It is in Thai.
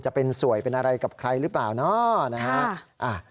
จะเป็นสวยเป็นอะไรกับใครหรือเปล่าเนาะนะฮะ